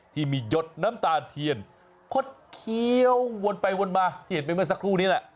ที่มีหยดน้ำตาเทียนคดเคี้ยววนไปวนมาที่เห็นไปเมื่อสักครู่นี้แหละ